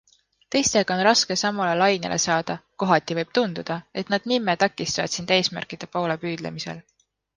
Teistega on raske samale lainele saada, kohati võib tunduda, et nad nimme takistavad sind eesmärkide poole püüdlemisel.